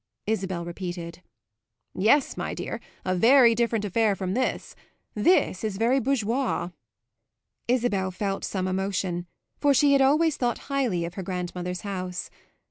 Isabel repeated. "Yes, my dear; a very different affair from this. This is very bourgeois." Isabel felt some emotion, for she had always thought highly of her grandmother's house.